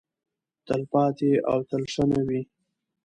تلپاتې او تلشنه وي.